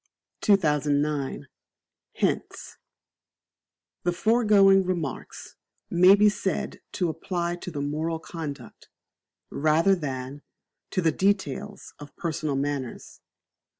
2009. Hints. The foregoing Remarks may be said to apply to the moral conduct, rather than, to the details of personal manners.